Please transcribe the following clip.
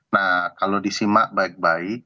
nah kalau disimak baik baik